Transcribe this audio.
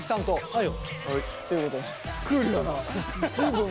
はい。